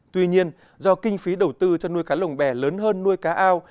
tuy nhiên do kinh phí đầu tư cho nuôi cá lồng bè lớn hơn nuôi cá ao